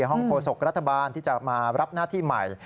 ห้องโฆษกรัฐบาลที่จะมารับหน้าที่ใหม่